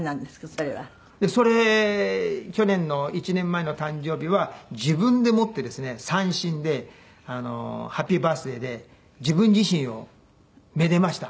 それは。それ去年の１年前の誕生日は自分でもってですね三線で『ハッピーバースデー』で自分自身をめでました。